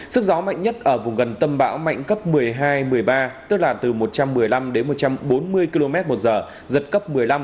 sức gió mạnh nhất ở vùng gần tâm bão mạnh cấp một mươi hai một mươi ba tức là từ một trăm một mươi năm đến một trăm bốn mươi km một giờ giật cấp một mươi năm